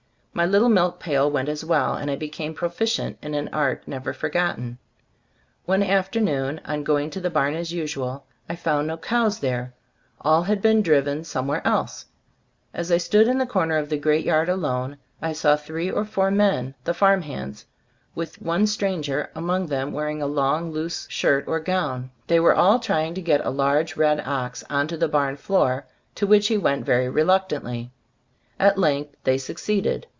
My little milk pail went as well, and I became proficient in an art never for gotten. One afternoon, on going to the barn as usual, I found no cows there; all had been driven somewhere else. As I stood in the corner of the great yard alone, I saw three or four men — the farm hands — with one stranger among 72 {(be Storg of As CbtlDbooD them wearing a long, loose shirt or gown. They were all trying to get a large red ox onto the barn floor, to which he went very reluctantly. At length they succeeded.